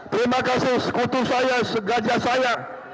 terima kasih sekutu saya segajah saya